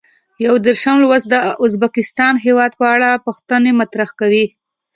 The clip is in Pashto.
یو دېرشم لوست د ازبکستان هېواد په اړه پوښتنې مطرح کوي.